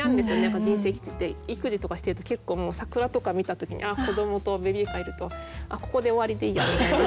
人生生きてて育児とかしてると結構桜とか見た時に子どもとベビーカーいると「あっここで終わりでいいや」みたいな。